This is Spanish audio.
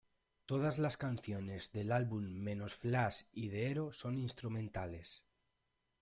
Todas las canciones del álbum menos "Flash" y "The Hero", son instrumentales.